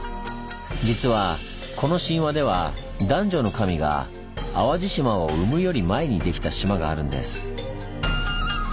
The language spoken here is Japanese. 実はこの神話では男女の神が淡路島を生むより前にできた島があるんです。